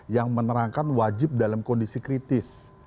yang menerangkan wajib dalam kondisi kritis